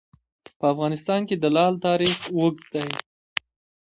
په افغانستان کې د لعل تاریخ اوږد دی.